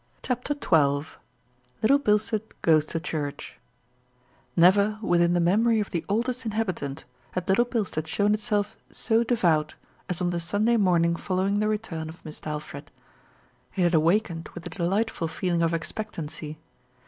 CHAPTER XII LITTLE BILSTEAD GOES TO CHURCH NEVER within the memory of the oldest inhabi tant had Little Bilstead shown itself so devout as on the Sunday morning following the return of Mist' Alfred. It had awakened with a delightful feeling of expectancy.